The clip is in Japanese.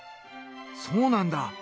そうなんだ！